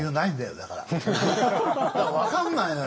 だから分かんないのよ。